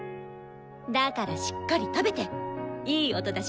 だからしっかり食べていい音出しなさい！